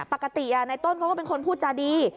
ปกติในต้นเขาก็เป็นคนพูดจาดี